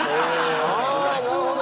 なるほど。